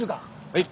はい。